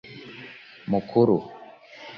mukuru